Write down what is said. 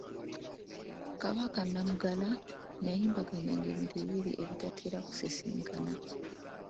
Kabaka Namugala yayimbagatanya ebintu bibiri ebitatera kusisinkana.